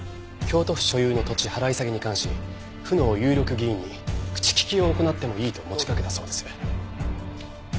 京都府所有の土地払い下げに関し府の有力議員に口利きを行ってもいいと持ちかけたそうです。